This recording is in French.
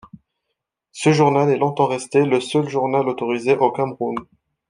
Ce journal est longtemps resté le seul journal autorisé au Cameroun.